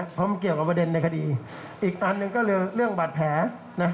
เพราะมันเกี่ยวกับประเด็นในคดีอีกอันหนึ่งก็คือเรื่องบาดแผลนะ